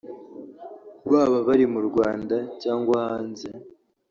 baba bari mu Rwanda cyangwa hanze